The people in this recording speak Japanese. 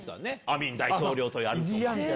アミン大統領とやるとか。